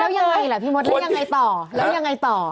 แล้วยังไงล่ะพี่มดแล้วยังไงต่อ